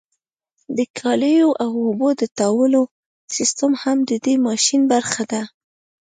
د کالیو او اوبو د تاوولو سیستم هم د دې ماشین برخه ده.